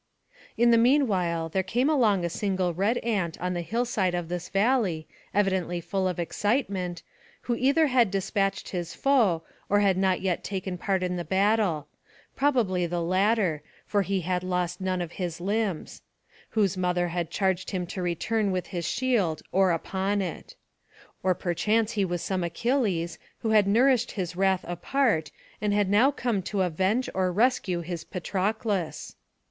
In the mean while there came along a single red ant on the hill side of this valley, evidently full of excitement, who either had despatched his foe, or had not yet taken part in the battle; probably the latter, for he had lost none of his limbs; whose mother had charged him to return with his shield or upon it. Or perchance he was some Achilles, who had nourished his wrath apart, and had now come to avenge or rescue his Patroclus.